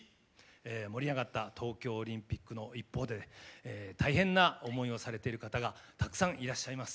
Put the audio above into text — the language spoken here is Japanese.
盛り上がった東京オリンピックの一方で大変な思いをされている方がたくさんいらっしゃいます。